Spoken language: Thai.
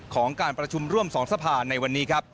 ของการประชุมร่วม๒สภาในวันนี้ครับ